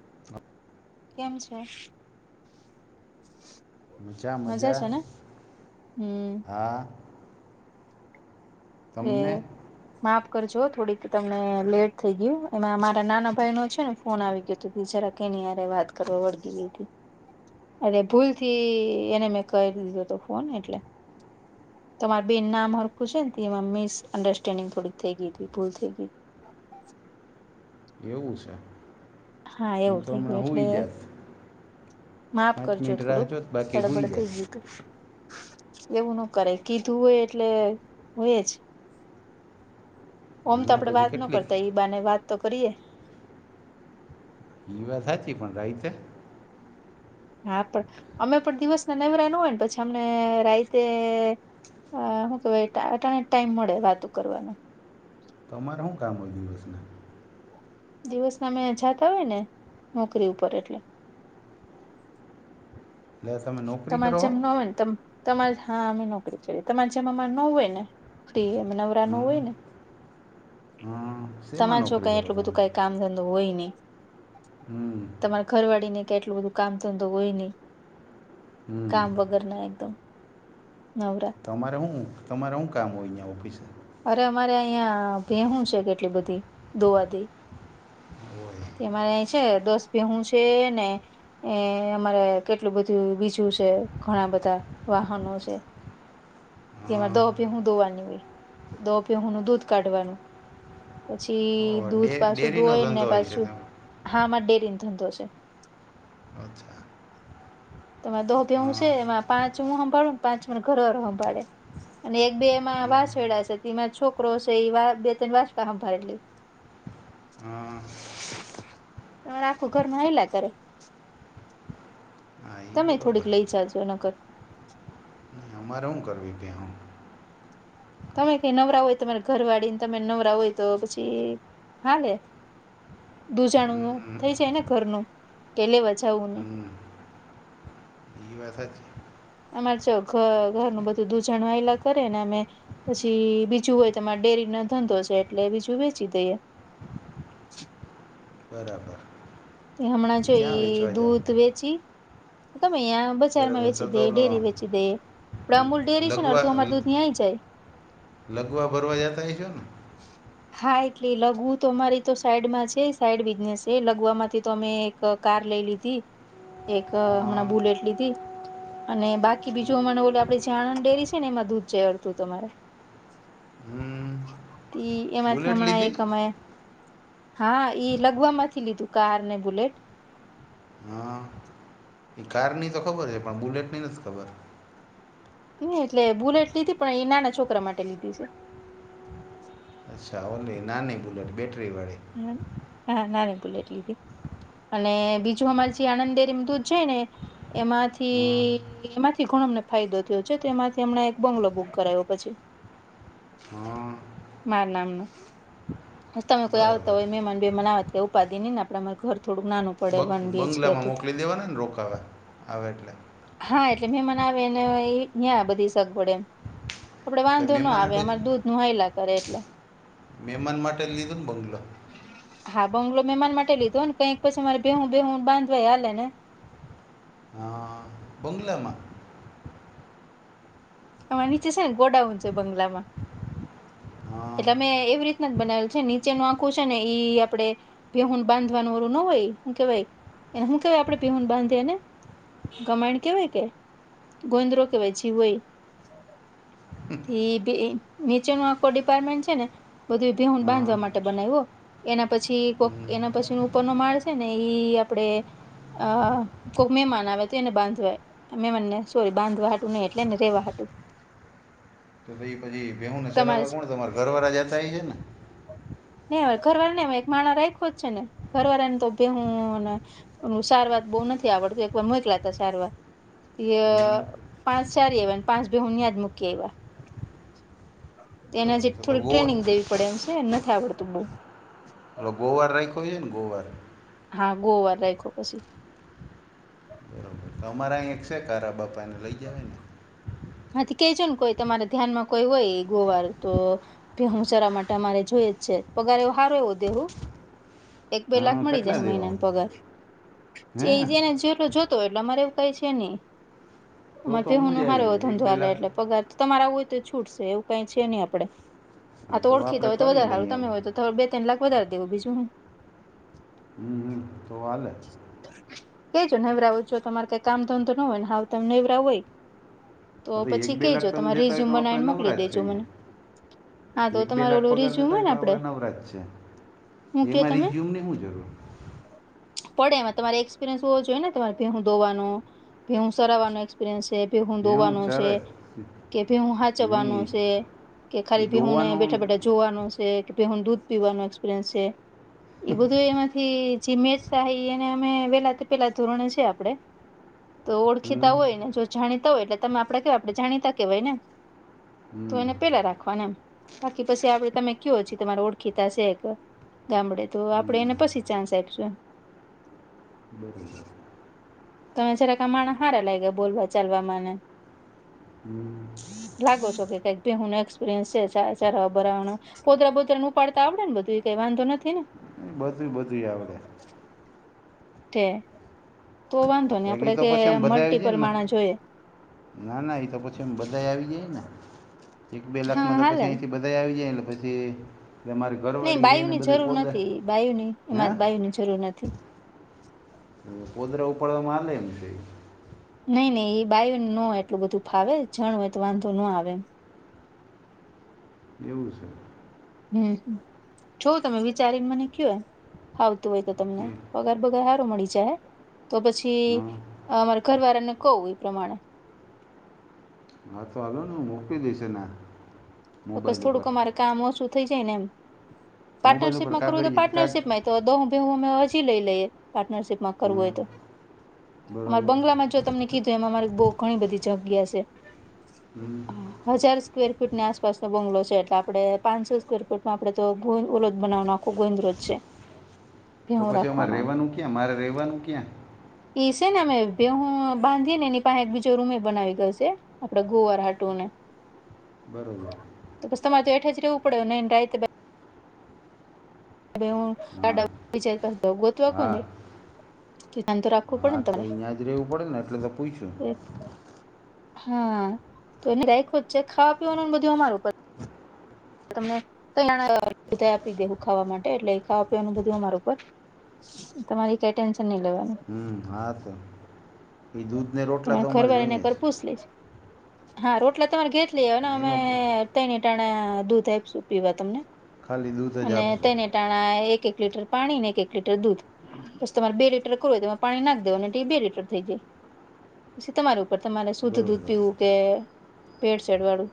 [unintelligible] કેમ છે. મજા છે ને હમ્મ. હા. તમને એ માફ કરજો થોડીક તમને લેટ થઈ ગયું એમાં મારા નાના ભાઈ નો છે ને ફોન આવી ગયો તો જરા કેનીય વાત કરવા વળગી લીધી. અરે ભૂલ થી એને મેં કરી દીધો હતો ફોન એટલે. તમાર બેન નામ હરખું છે એમાં મિસઅન્ડરસ્ટેન્ડિંગ થોડીક થઈ ગઈ હતી ભૂલ થઈ ગઈ. એવું છે. હા હું એવું તો થઇ ગયું હમણાં એટલે સૂઈ જાત માપ પાંચ કરજો મિનિટ રાહ થોડુંક જોત બાકી સૂઈ સળબડ જાત થઈ ગયું. એવું નો કરાય કીધું હોય એટલે હોય જ ઓમ તો આના આપડે પછી વાત નો કેટલીક કરતા હોય ઈ બાને વાત તો કરીયએ ઈ વાત સાચી પણ રાઈતે હા પણ અમે પણ દિવસ ના નનેવરા નો હોય ને પછી અમને રાઈતે અ હું તો ભાઈ અટાણે જ ટાઈમ મળે વાતો કરવા ને તમારે હુ કામ હોય દિવસના દિવસ ના અમે જતા હોય ને નોકરી ઉપર એટલે એટલે તમે નોકરી તમારે કરો હો જેમ ન હોય ને તમ તમારે હા અમે નોકરી કરીએ તમારે જેમ અમારે ના અ હોય ને ફ્રી અમે ના હોઈએ હં ને હં શેમાં તમારે જો ક નોકરી કરો એટલું બધું તમે કઈ કામ ધંધો હોય નહી હમ તમારા ઘરવાળી ને કેટલું બધું કામ ધંધો હોય નહી હમ કામ વગર ના એકદમ નવરા તમારે શું તમારે શું કામ હોય ત્યાં ઓફિસે એ અરે અમારે અહિયા ભેહું છે કેટલી બધી ધોવા દી હોય તયે અમાંરે છે દસ ભેહું છે ને એ અમારે કેટલું બધું બીજું છે ઘણા બધા વાહનો છે તંમાં હં દોહપીહું દોવાની હોય ફો પીહું નું દૂધ કાઢવાનું પછી ઓહ ડે દૂધ પાછું ડેરીનો ધોય ને ધંધો હોય છે પાછું તમે હામાં ડેરીને ધંધો છે અચ્છા તમા દો બેે હું છે હં એમાં પાંચ હું સંંભાળું ને પાંચ મારો ઘરો સંભાળે અને એક બે એમાં વાસવેેડાછે તેમાં છોકરો છે એ બે ત્રણ વાસડા હભા લે હમ્મ તમારે આખું ઘરમાં હયલા કરે હા એ તમે બરોબર થોડીક લઈ જાજો નગર અમારે હું કરવી ત્યાં ભેહું તમે કઈ નવરા હોય તો તમારે ઘર વાળીને તમે નવરા હોય તો પછી હા લે દુજણું થઈ જાય ને ઘરનું કે લેવા જાવું નઈ હમ એ વાત હાચી અમારે જો ઘર ઘરનું બધું દૂજણ હાઈલા કરે ને અમે પછી બીજું હોય તમારે ડેરીનો ધંધો છે એટલે બીજું વેચી દઈએ બરાબર તે હમણાં જોઈ ક્યાં એ વેચવા જાવ દૂધ વેચી ગમેયા બજારમાં બરાબર તો વેચી તો દે લ ડેરી વેચી દે પણ અમૂલ ડેરી છે ને લગવા અડધું અમારુ દૂધ નઈય જાય. લગવા ભરવા જતા હ છો ને. હા એટલે લગવું તો અમારી તો સાઈડમાં છે સાઈડ બિઝનેસ છે લગવા મા થી. તો મેં એક કાર લઈ લીધી એક હા હમણાં બુલેટ લીધી. અને બાકી બીજું અમાને બોલે આપ જે આણંદ ડેરી છે ને એમાં દૂધ અડતું અમારે હમ ઈ એમાંથી બુલેટ હમણાં લીધી એક અમેં હા એ લગવામાંથી લીધું કાર ને બુલેટ હા એ કાર ની તો ખબર છે પણ બુલેટ ની નથી ખબર ની એટલે બુલેટ લીધી પણ એ નાના છોકરા માટે લીધી છે અચ્છા ઓલી નાની બુલેટ બેટરી વાળી હ હા નાની બુલેટ લીધી અને બીજું અમાર જે આનંદ ડેરી મા દૂધ જાયે ને હા એમાંથી એમાંથી ઘણો અમને ફાયદો થયો છે તો એમાંથી હમણાં એક બંગલો બુક કરાવ્યો પછી હા મારા નામનું તમે કોઈ આવ બરાબર તોય મેમાન બેમાન આવૅ તો કઈ ઉપાદી ની ને આપના અ ઘર થોડુંક નાનું પડે બ વન બીએચ કે બંગલામાં હતું તે મોકલી દેવાના ને રોકાવા આવે એટલે હા એટલે મેંમને આવે એને ન્યાં બધી સગવડ એમ આપડે એટલે વાંધો ન મહેમાન આવે હાટુ જ અમારે દૂધ નું હલા કરે એટલે મહેમાન માટે લીધું ને બંગલો હા બંગ્લો મહેમાન માટે લીધો ને કઈક પછી મારે બેહું બેહવ બાંધવા હાલે ને હા બંગલામાં આ નીચે છે ને ગોડાઉ છે બંગ્લામાં અ એટલે અમે એવી રીતના જ બનાવેલ છે નીચેનું આંખું છે ને ઈ આપડે. પહુન બાંધવાનું વાળું ન હોય હું કેવાય શું કેવાય આપણે પીહન બાંધીેને ગમણ કેવાય કે ગોંદ્રો કેવાય જીવય નીચે ન આખો ડિપાર્ટમેન્ટ છે ને બધું ભીઉુન અ બાંધવા માટે બનાવ્યો એના પછી કો હં એના પછી ઉપરનો માળ છે ને ઈ આપડે આ કોઈ મહેમાન આવે તો એને બાંધવાય અમે મને સોરી બાંધવાટ નહીઈ એટલે ને રહેવા તો ભી પછી વેઉુ ને સરાવા કોણ તમારે ઘર વાળા જતાય એ ને ઘરવાળા ને એક માણા રાખ્યો જ છે ને ઘરવાળા ને તો બહુ સારવાર બહુ નથી આવડતું એક વાર મોકલાતા સારવાર એ હં પાંચ ચાર વાન પાંચ મૂકી આયવા તે એના બરાબર જે તો તો થોડીક ગોવા ટ્રેનિંગ દેવી પડે એમ છે નથી આવડતું બઉ ઓલો ગોવાર રાખ્યોઈએ ને ગોવાર હા ગોવાર રાયખો પછી બરાબર તો અમારા અહીંયા એક છે કારા બાપા એને લઈ ગયા ને આથી કે છે ને કોઈ તમારા ધ્યાનમાં કોઈ હોય ગોવાર તો ભહું ચારા માટે અમારે જોઈએ જ છે પગાર એવ સારો એવો દેવું એક બે લાખ હં મળી કેટલા જાય મહિના દેવા ન પગાર હે એ જેને જો જો તો એટલે અમારે એવું કઈ છે ને તો તો હમુ જ આવી જાય એક બે જોધવા લે લાખ એટલે પગાર તમારા હોય તો છૂટ છે એવું કઈ છે નહી આપડે આ હા તો ઓળખી તો આપણે હોય તો કરી વધારે સારું લઈએ તમે હવે હોય તો બે તણ લાખ વધારે દેવું બીજું હું હમ્મ તો હલે કેજો નૈવરાવું જો તમારે કઈ કામ ધંધો ન હોય ને હ તમે નૈવરાવું હોય હ તો એક પછી બે લાખ કેજો તમે તમારે દેતા હોય રિઝ્યુમ તો બનાવીને આપણે મોકલી નવરા છે દેજો મને અહીયાં હા તો એક બે તમારો લાખ ઓલું પગાર જ રિઝ્યુમ હોય થાય તો ને આપડે આપણે નવરાવ છે હું એ કયો મા તમે રિઝ્યુમને હું જરૂર પડે એમાં તમારે એક્સપિરિયન્સ હોવો જોઈએ ને તમારે ભેઉ ધોવાનો ભેઉું સરાવાનો એક્પિરિયન્સ છે ભેહું એ હું ધોવાનો છે ચરસ કે ભેહું હાચવાનો નહીં છે કે એ ખાલી ભીહુંને દોવાનું બેઠા બેઠા જોવાનું છે કે ભહૂ દૂધ પીવાનો એક્સપિરયન્સ છે એ બધું એમાંથી જમે હી એને અમે વેલાથી પેલા ધોરણે છે આપડે તો હમ ઓળખીતા હોય ને જો જાણીતા હોય એટલે તમે આપણે કેવા આપણે જાણીતા કેવાય ને તો એને હમ પેલા રાખવાને એમ બાકી પછી આપડે તમે કયોછી તમારે ઓળખીતાશે એક ગામડે તો આપડે એને પછી ચાન્સ આપીશું બરાબર તમે જ્યારે કમાણ હારા લાગ્યા બોલવા ચાલવાવામાંને હમ્મ લાગો છો કે કક ભી હું એક્પિરિયન્સ છે ચાર બરાવાનું કોતરા બોતરા નનું પ પાડતા આવડે ને બધ એ કઈ વાંધો નથી ને બધું બધું આવડે છે તો વાંધો ને બાકી આપડે તો કે પછી આમ બધા આવી જાય મલ્ટીપલ ને માં માણા જોઈએ ના ના એ તો પછી એમ બધા આવી જાય ને એક બે હા લાખમાં તો હાલે પછી ને અથી બ આવી જાય એટલે પછી મારી નહી ઘરવાળી છે બાયુ ને ની બધું જરૂર પોદ નથી બાયુ ની હે એમાં બાયુની જરૂર નથી કોદરા ઉપાડવાવામા હાલે એમ કે નઈ નહી એ બાયુને ન હોય એટલું બધું ફાવે જણ હોય તો વાંધો ન આવે એવું છે હમ જો તમે વિચારીને મને કય આવતું હોય તો તમને ઠીક. [unintelligible] તો કઈ હારું મળી જાય તો પછી હા અમારે ઘરવાળાને કવ એ પ્રમાણે [unintelligible] તો બસ મોબાઈલ ઉપર થોડુંક અમારે કામ ઓછું થઈ જાય ને એમ મોબાઈલ ઉપર પાર્ટનરશિપમાં કરવુંય તો કાગળિયે કાગ પાર્ટનરશિપમાં તો [unintelligible] અમે હજી લઈ લઈએ પાર્ટનરશિપ માં કરવું હા હોય તો અમા બરાબર બંગલામાં જો તમને કીધું એમાંરી બવ ઘણી બધી જગ્યા છે હમ. હજાર સ્કવેર ફૂટની આસપાસ બંગલો છે એટલે આપણે પાંચસો સ્કવેર ફીટમાં આપણે તો [unintelligible] બનાવવાનો આખો ગોંદ્રજ છે તો ભેહું પછી અમારે રાખવાનો રેવાનું ક્યાં મારે રેવાનું ક્યાં એ છે ને અમે ભેહું બાંધીએ ને એની પાહે એક બીજો રૂમે બનાવી ગયોશે આપડે ગોવાર હાટું ને બરોબર તો પસ તમારે તો એઠે જ રેવુ ને [unintelligible] હા [unintelligible] ગોતવા હા કોને ધ્યાન તો રાખવું પડે હા ને તો તમારે અહીંયા જ રહેવું પડે ને એટલે તો પૂછ્યું હા તો એ [unintelligible] છે ખાવા પીવાનું બધું અમારું [unintelligible] આપી દે ખાવા માટે એટલે ખાવા પીવાનું બધું અમારા ઉપર તમારી કઈ ટેન્શન નહી લેવા હમ્મ હા તો એ દૂધ ને રોટલા તો તમારે અમારે ઘરવાળીને જોઈએ જ [unintelligible] હા રોટલા તમારે [unintelligible] દેવાના અમે એમાં પ- તેને ટાણે દૂધ આપીશું પીવા તમને ખાલી દૂધ જ અને આપશો તેને ટાણા એક એક લીટર પાણીને એક એક લીટર દૂધ બસ તમારે બે લીટર કરવું હોય તો એમા પાણી નાખ દેવાનું અને બે લીટર થઈ જાય પછી તમારી ઉપર તમારે શુદ્ધ દૂધ બરોબર પીવું કે ભેળસેળ વાળું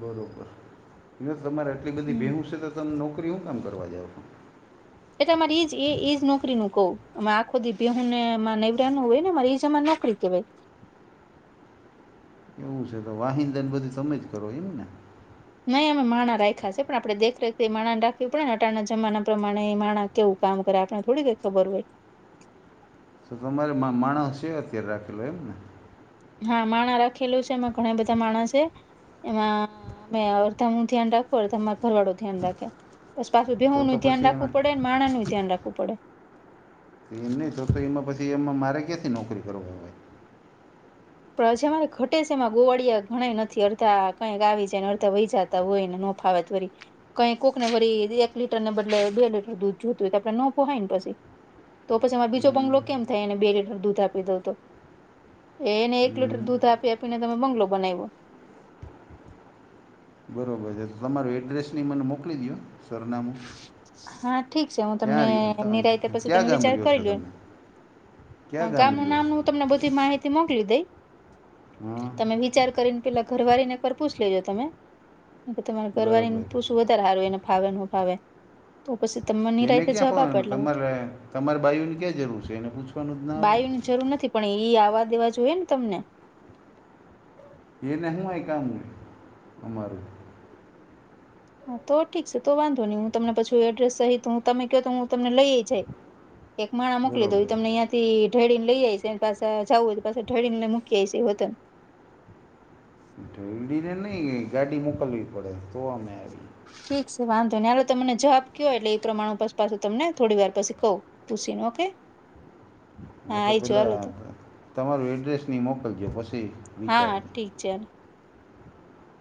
બરાબર તમારે આટલી બધી હમ ભેહું સે તો તમે નોકરી હું કામ કરવા જાવ છો એટલે અમારે એજ એજ નોકરી નું કવ અમે આખો દી બેહુનેમાં નૈવરા ન હોય ને એજ અમારે નોકરી કેવાય એવું છે તો વાહીન દન બધું તમે જ કરો એમ ને નહી અમે માણા રાખ્યા છે પણ આપણે દેખરેખ માણાને રાખવી પડે ને અટાના જમાના પ્રમાણે માણા કેવું કામ કરે આપને થોડી કય ખબર હોય તો તમારે મા માણસ છે અત્યારે રાખેલો એમ ને હા માણા રાખેલું છે એમાં ઘણા બધા માણા છે એમાં અમે અર્ધા ધ્યાન રાખું અર્ધા માં ભરવાડું ધ્યાન રાખે પસ પાછું તો ભેહું તો નું ધ્યાન પછી રાખવું એમાં પડે ને માણા નું ધ્યાન રાખવું પડે [unintelligible] એમાં પછી એમાં મારે ક્યાંથી નોકરી કરવુ હોય [unintelligible] એમાં ગોવાળિયા ઘણા નથી અડધા કંઈક આવી જાય ને અડધા વહી જતા હોય નફાવત વરી કઈ કોકને વરી એક લીટર ને બદલે બે લીટર દૂધ જોતું હોય તો આપડે નો પોહાય ને પછી તો પછી મા બીજો બંગલો હમ કેમ થાય એને બે લીટર દૂધ આપી દઉં તો એ એને એક લીટર હમ દૂધ આપી આપીને તમે બંગલો બનાયવો [unintelligible] તમારું એડ્રેસ એ મને મોકલી દયો સરનામું હા ઠીક છે હું તમને ક્યાં રહ્યો તમેં નિરાયતે પછી ક્યાં તમે ગામ વિચાર રહ્યો કરી છો લ્યો તમે ક્યાં ગામ ગામનું રહ્યો છો નામનું હું તમને બધી માહિતી મોકલી દઈ હં તમે વિચાર કરીને પેલા ઘરવારી ને એક વાર પૂછ લેજો તમે તમારી ઘરવારી બરોબર ને પૂછ વધારે હારું એને ફાવે નું ફાવે તો પછી તમને એને નિરાતે ક્યાં જવાબ આપો ફોન એટલે હું તમારે તમારે બાઈઓની ક્યાં જરૂર છે એને પૂછું બાયુ ની જરૂર નથી પણ એઈ આવવા દેવા જો હોય ને તમને એ નય હું કામ અમારેું. હા તો ઠીક છે તો વાંધો નહી હું તમને પછું એડ્રેસ સહી તો હું તમે કહ તો હું તમને લઈ જાય એક માણા મોકલી દો બરોબર તમનેં તે ઢેળીને લઈ જાય છે પાછા જવું હોય તો પાછા ઢળી ને મુકી જાય છે હોતન ઢેળી ને નઈ ગાડી મોકલવી પડે તો અમે આવી ઠીક છે વાંધો ને હાલ તમને જવાબ કયોય એટલે એ પ્રમાણસ પાછું તમને થોડી વાર પછી કહું તછ ન ઓ કે હા તો પેલાં તમારું એડ્રેસ નહી મોકલજો પછી વિચારજ ચેલ.